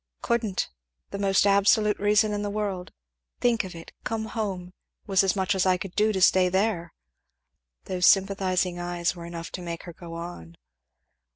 "Couldn't the most absolute reason in the world. Think of it! Come home! It was as much as I could do to stay there!" Those sympathizing eyes were enough to make her go on.